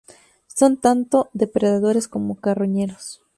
Son tanto depredadores como carroñeros.